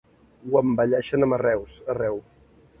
Ho embelleixen amb arreus, arreu.